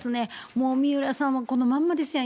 もう水卜さんはこのまんまですやん。